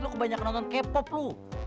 lu kebanyakan nonton k pop lo